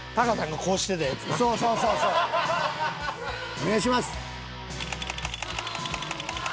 お願いします！